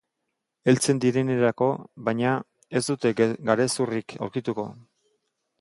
Heltzen direnerako, baina, ez dute garezurrik aurkituko.